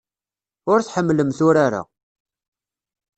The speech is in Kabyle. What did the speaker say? Ur tḥemmlemt urar-a.